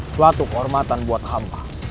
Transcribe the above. suatu kehormatan buat hamba